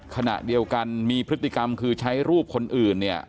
ขณะเดียวกันมีพฤติกรรมคือใช้รูปคนอื่นเนี่ย